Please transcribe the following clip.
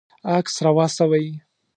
عکس راواستوئ